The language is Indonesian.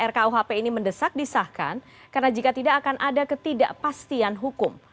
rkuhp ini mendesak disahkan karena jika tidak akan ada ketidakpastian hukum